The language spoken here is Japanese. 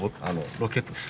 ロケットです。